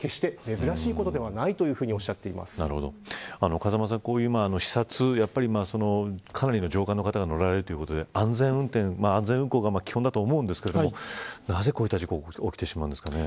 風間さん、こういう視察かなりの上官の方が乗られるということで安全運航が基本だと思うんですけどなぜこういった事故が起きてしまうんですかね。